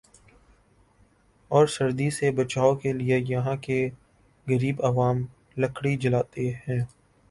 اور سردی سے بچائو کے لئے یہاں کے غریب عوام لکڑی جلاتے ہیں ۔